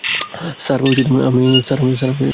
Sir, আমি সত্য বলছি।